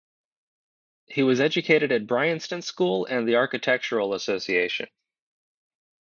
He was educated at Bryanston School and the Architectural Association.